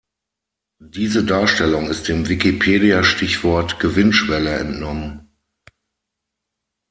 Diese Darstellung ist dem Wikipedia-Stichwort Gewinnschwelle entnommen.